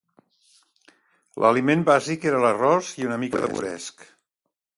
L'aliment bàsic era l'arròs i una mica de moresc.